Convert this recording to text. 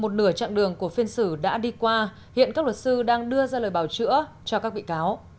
trạng đường của phiên xử đã đi qua hiện các luật sư đang đưa ra lời bảo chữa cho các bị cáo